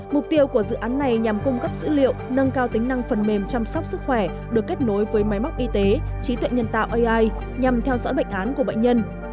mục tiêu của dự án này nhằm cung cấp dữ liệu nâng cao tính năng phần mềm chăm sóc sức khỏe được kết nối với máy móc y tế trí tuệ nhân tạo ai nhằm theo dõi bệnh án của bệnh nhân